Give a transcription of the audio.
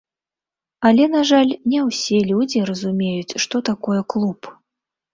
Але, на жаль, не ўсе людзі разумеюць, што такое клуб.